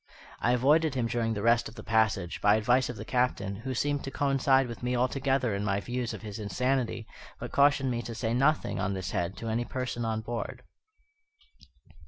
I avoided him during the rest of the passage, by advice of the Captain, who seemed to coincide with me altogether in my views of his insanity, but cautioned me to say nothing on this head to any person on board.